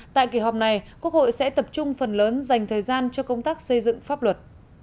tại kỳ họp này quốc hội sẽ tập trung phần lớn dành thời gian cho công tác xây dựng pháp luật